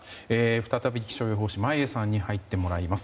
再び、気象予報士の眞家さんに入ってもらいます。